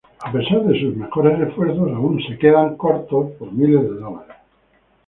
A pesar de sus mejores esfuerzos, aun quedan cortos por miles de dólares.